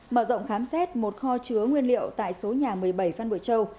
mở rộng khám xét một kho chứa nguyên liệu tại số nhà một mươi bảy phan bội châu